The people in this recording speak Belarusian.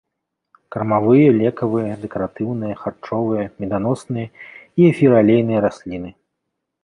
Кармавыя, лекавыя, дэкаратыўныя, харчовыя, меданосныя і эфіраалейныя расліны.